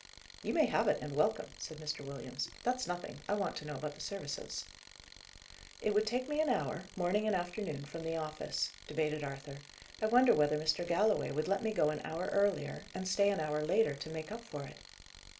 "You may have it, and welcome," said Mr. Williams. "That's nothing; I want to know about the services." "It would take me an hour, morning and afternoon, from the office," debated Arthur. "I wonder whether Mr. Galloway would let me go an hour earlier and stay an hour later to make up for it?"